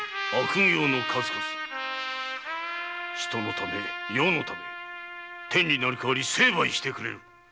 人のため世のため天に成り代わり成敗してくれる！